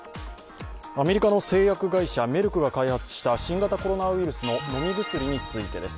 アメリカの製薬会社、メルクが開発した新型コロナウイルスの飲み薬についてです。